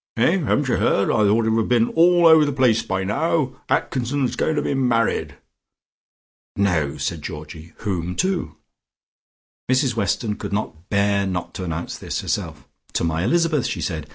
"Eh, haven't you heard? I thought it would have been all over the place by now. Atkinson's going to be married." "No!" said Georgie. "Whom to?" Mrs Weston could not bear not to announce this herself. "To my Elizabeth," she said.